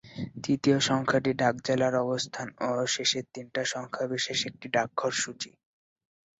তৃতীয় সংখ্যাটি ডাক-জেলার অবস্থান ও শেষের তিনটা সংখ্যা বিশেষ একটা ডাকঘর সূচী।